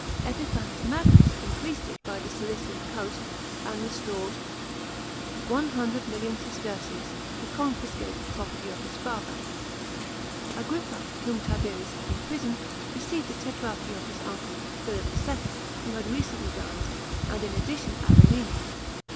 Epiphanes Magnus, increased it by the Cilician coast, and restored 100,00 ,000 sesterces, the confiscated property of his father. Agrippa, whom Tiberius bad imprisoned, received the tetrarchy* of his uncle, Philip IIM who had recently died, and in addition Abilene.